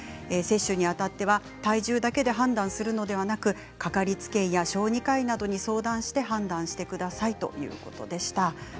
接種にあたっては体重だけで判断するのではなく掛かりつけ医や小児科医などに相談して判断してくださいということでした。